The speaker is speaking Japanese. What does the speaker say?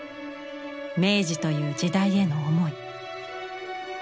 明治という時代への思い。